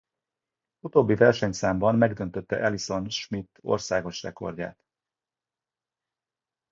Utóbbi versenyszámban megdöntötte Allison Schmitt országos rekordját.